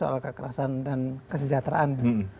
soal kekerasan dan kesejahteraan